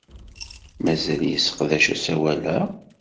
Mazal yesseqdac asawal-a?